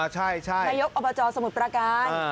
ใช่นายกอบจสมุทรประการ